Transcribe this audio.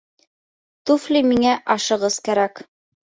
Туфли миңә ашығыс кәрәк